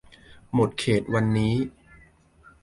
หมดเขตวันนี้